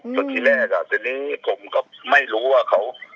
ที่แรกทีนี้ผมก็ไม่รู้ว่าเขา